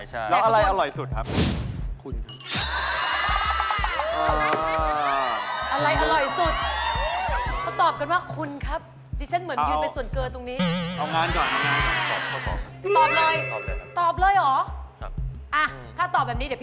หอยเสียบอนุปจากแล้วก็ปลาทูหอมแพ็ค๓ตัว